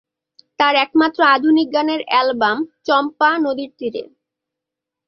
তার একমাত্র আধুনিক গানের অ্যালবাম "চম্পা নদীর তীরে"।